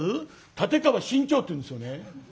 「立川志ん朝っていうんですよね」。